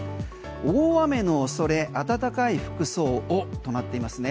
大雨のおそれ暖かい服装をとなっていますね。